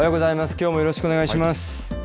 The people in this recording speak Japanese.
きょうもよろしくお願いします。